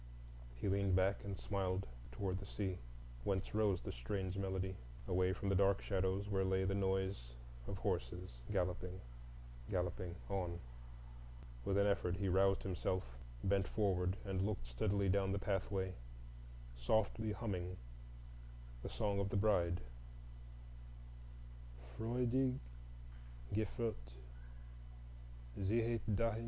He leaned back and smiled toward the sea, whence rose the strange melody, away from the dark shadows where lay the noise of horses galloping, galloping on. With an effort he roused himself, bent forward, and looked steadily down the pathway, softly humming the "Song of the Bride,"— "Freudig geführt, ziehet dahin."